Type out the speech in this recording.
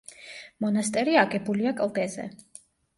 მონასტერი აგებულია კლდეზე.